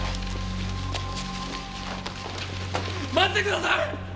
待ってください！